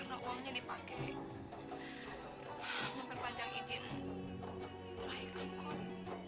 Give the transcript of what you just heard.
nanti kalau lupa pikiran